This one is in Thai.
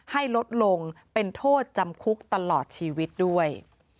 ให้ลดลงเป็นโทษจำคุกตลอดชีวิตด้วย